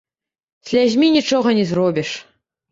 Слязьмі нічога не зробіш.